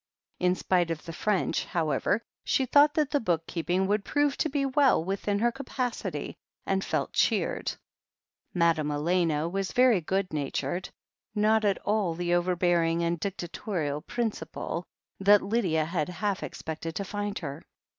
In spite of the French, however, she thought that the book keeping would prove to be well within her ca pacity, and felt cheered. Madame Elena was very good natured, not at all the overbearing and dictatorial principal that Lydia had half expected to find her.